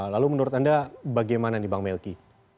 lalu menurut anda bagaimana nih bang melki